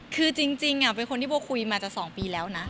คือจริงเป็นคนที่โบคุยมาจะ๒ปีแล้วนะ